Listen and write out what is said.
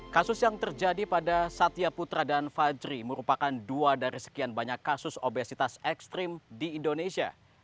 kasus yang terjadi pada satya putra dan fajri merupakan dua dari sekian banyak kasus obesitas ekstrim di indonesia